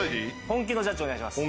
本気のジャッジお願いします